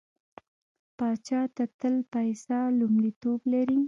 پاچا ته تل پيسه لومړيتوب لري.